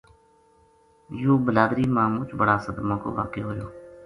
یوہ بلادری ما مُچ بڑا صدما کو واقعو ہویو